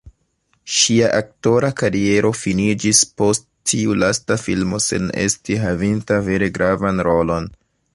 Ŝia aktora kariero finiĝis post tiu lasta filmo sen esti havinta vere gravan rolon.